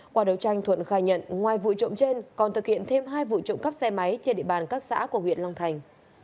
qua đấu tranh thuận khai nhận ngoài vụ trộm trên còn thực hiện thêm hai vụ trộm cắp xe máy trên địa bàn các xã của huyện long thành